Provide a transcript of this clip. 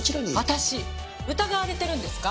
私疑われてるんですか？